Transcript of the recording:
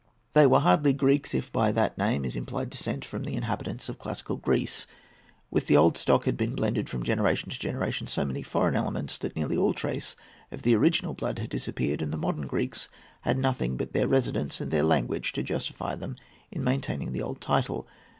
They were hardly Greeks, if by that name is implied descent from the inhabitants of classic Greece. With the old stock had been blended, from generation to generation, so many foreign elements that nearly all trace of the original blood had disappeared, and the modern Greeks had nothing but their residence and their language to justify them in maintaining the old title.